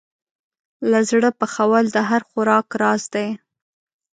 له زړه پخول د هر خوراک راز دی.